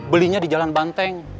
belinya di jalan banteng